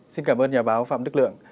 xin cảm ơn nhà báo phạm đức lượng